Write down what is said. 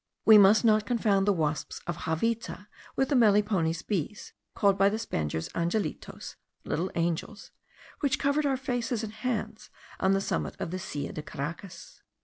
We must not confound the wasps of Javita with the melipones bees, called by the Spaniards angelitos (little angels) which covered our faces and hands on the summit of the Silla de Caracas.